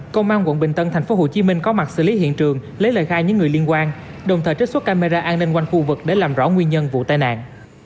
công an quận bình tân tp hcm có mặt xử lý hiện trường lấy lời khai những người liên quan đồng thời trích xuất camera an ninh quanh khu vực để làm rõ nguyên nhân vụ tai nạn